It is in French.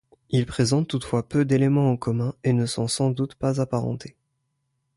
Ils présentent toutefois peu d'éléments en commun et ne sont sans doute pas apparentés.